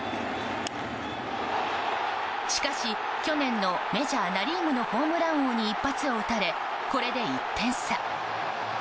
しかし去年メジャーナ・リーグのホームラン王に一発を打たれ、これで１点差。